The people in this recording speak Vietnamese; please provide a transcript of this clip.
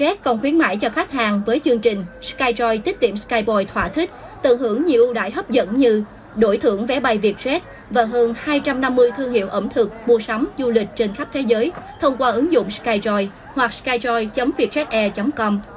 vietjet air còn khuyến mãi cho khách hàng với chương trình skyjoy tích tiệm skyboy thỏa thích tận hưởng nhiều ưu đại hấp dẫn như đổi thưởng vé bay vietjet và hơn hai trăm năm mươi thương hiệu ẩm thực mua sắm du lịch trên khắp thế giới thông qua ứng dụng skyjoy hoặc skyjoy vietjetair com